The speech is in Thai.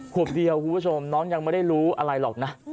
ขวบเดียวคุณผู้ชมน้องยังไม่ได้รู้อะไรหรอกนะ